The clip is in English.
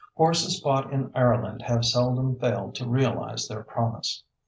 Horses bought in Ireland have seldom failed to realize their promise.